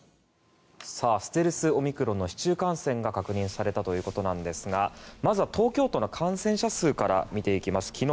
ステルスオミクロンの市中感染が確認されたということなんですがまずは東京都の感染者数から見ていきます。